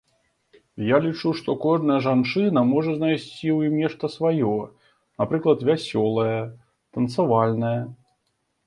Я лічу, што кожная жанчына можа знайсці ў ім нешта сваё, напрыклад, вясёлае, танцавальнае.